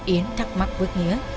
yến thắc mắc với nghĩa